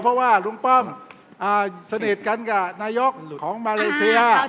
เพราะว่าลุงป้อมสนิทกันกับนายกของมาเลเซีย